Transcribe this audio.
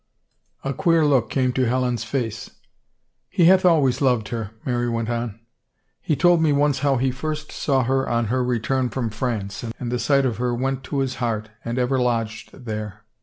A queer look came to Helen's face. " He hath always loved her," Mary went on. " He told me once how he first saw her on her return from France and the sight of her went to his heart and ever lodged there.